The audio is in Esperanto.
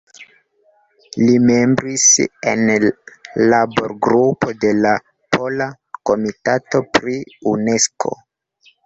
Li membris en Labor-Grupo de la Pola Komitato pri Unesko.